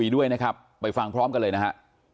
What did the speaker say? ด้วยนะครับไปฟังพร้อมกันเลยนะฮะ